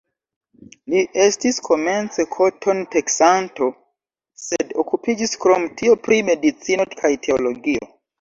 Li estis komence koton-teksanto, sed okupiĝis krom tio pri medicino kaj teologio.